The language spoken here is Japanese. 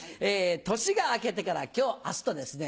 年が明けてから今日明日とですね